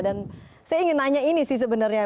dan saya ingin nanya ini sih sebenarnya